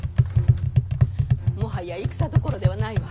もはや戦どころではないわ。